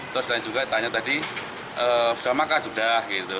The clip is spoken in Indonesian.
terus lain juga ditanya tadi sudah makan sudah gitu